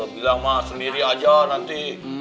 bilang mah sendiri aja nanti